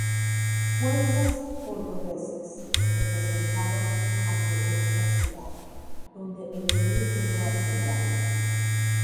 Fuerzas cordobesas se presentaron ante esta ciudad donde el emir quedó asediado.